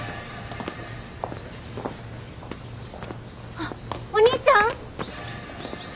あっお兄ちゃん？